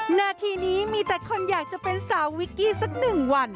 หน้าทีนี้มีแต่คนอยากจะเป็นสาววิกกี้สักหนึ่งวัน